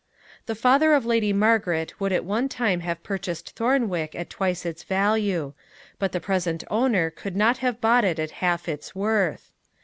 The father of Lady Margaret would at one time have purchased Thornwick at twice its value; but the present owner could not have bought it at half its worth.